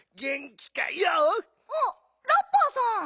あっラッパーさん！